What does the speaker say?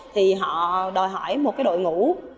thì họ đòi hỏi một cái đội ngũ